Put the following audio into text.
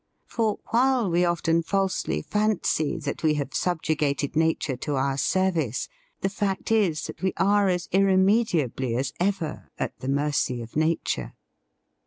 For, while we often falsely fancy that we have subjugated nature to our service, the fact is that we are as irremediably as ever at the mercy of nature.